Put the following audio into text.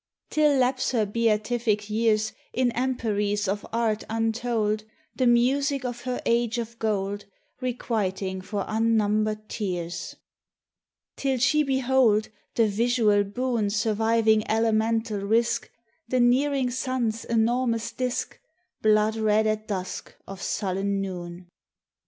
Till lapse her beatific years In emperies of art untold, The music of her age of gold Requiting for unnumbered tears; Till she behold the visual boon Surviving elemental risk The nearing sun's enormous disc, Blood red at dusk of sullen noon; 49 THE TESTIMONY OF THE SUNS.